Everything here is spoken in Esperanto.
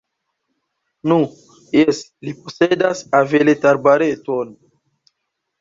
Nu, jes, li posedas aveletarbareton.